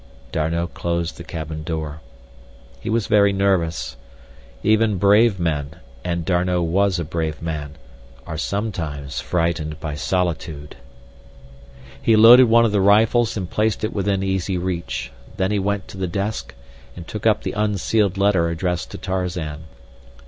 D'Arnot closed the cabin door. He was very nervous. Even brave men, and D'Arnot was a brave man, are sometimes frightened by solitude. He loaded one of the rifles and placed it within easy reach. Then he went to the desk and took up the unsealed letter addressed to Tarzan.